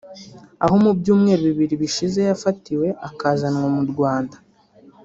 aho mu byumweru bibiri bishize yafatiwe akazanwa mu Rwanda